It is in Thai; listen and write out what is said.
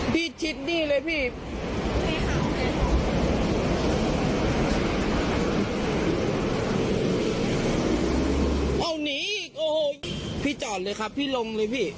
พี่ชิดนี่เลยพี่โอ้หนีอีกโอ้โหพี่จอดเลยค่ะพี่ลงเลยพี่